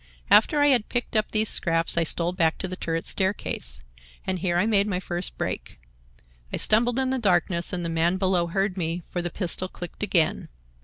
After I had picked up these scraps I stole back to the turret staircase. And here I made my first break. I stumbled in the darkness, and the man below heard me, for the pistol clicked again.